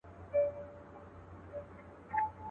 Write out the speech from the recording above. ما او ازل دواړو اورېدل چي توپان څه ویل.